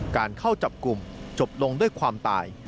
การเข้าจับกลุ่มจบลงด้วยความตาย